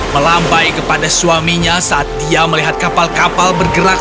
melampai kepada suaminya saat dia melihat kapal kapal bergerak